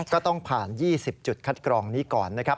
ก็ต้องผ่าน๒๐จุดคัดกรองนี้ก่อนนะครับ